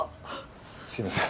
すみません。